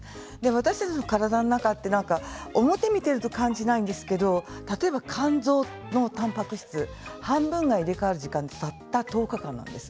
私たちの体の中は表を見ていると感じないんですけど例えば、肝臓のたんぱく質半分が入れ代わる時間がたった１０日間です。